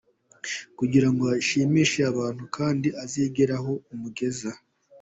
kugira ngo ashimishe abantu kandi izagere aho imugeza.